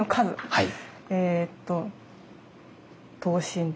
はい。